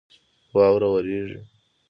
واوره ورېږي